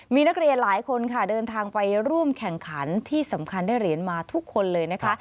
มีนักเรียนหลายคนค่ะเดินทางไปร่วมแข่งขันที่สำคัญได้เหรียญมาทุกคนเลยนะคะ